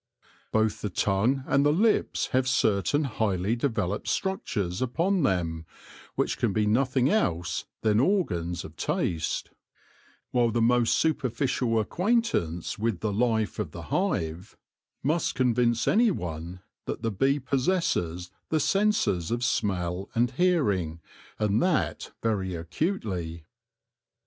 Both the tongue and the lips have certain highly developed structures upon them which can be nothing else than organs of taste ; while the most superficial acquaintance with A ROMANCE OF ANATOMY 107 the life of the hive must convince anyone that the bee possesses the senses of smell and hearing, and that very acutely.